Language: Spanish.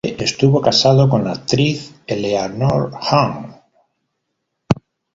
Lease estuvo casado con la actriz Eleanor Hunt.